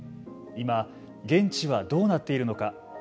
今、現地はどうなっているのか。